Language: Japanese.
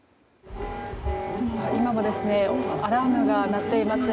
今もアラームが鳴っています。